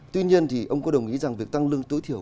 tuy nhiên thì ông có đồng ý rằng việc tăng lương tối thiểu